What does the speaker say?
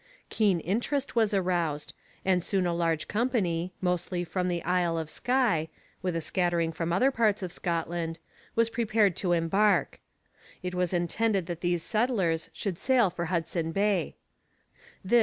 Keen interest was aroused, and soon a large company, mostly from the isle of Skye, with a scattering from other parts of Scotland, was prepared to embark. It was intended that these settlers should sail for Hudson Bay.